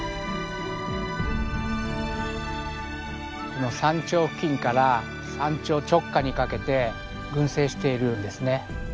この山頂付近から山頂直下にかけて群生しているんですね。